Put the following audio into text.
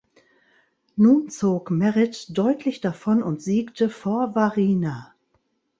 Nun zog Merritt deutlich davon und siegte vor Wariner.